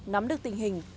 nắm được tình hình